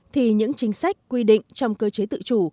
thì những chính sách quy định trong cơ chế tự chủ